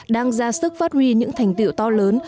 đang ra sức phát huy những thành tiệu to lớn